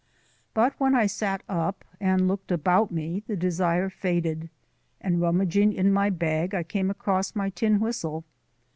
But when I sat up and looked about me the desire faded, and rummaging in my bag I came across my tin whistle.